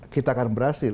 kita akan berhasil